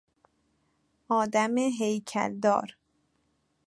آدم هیکل دار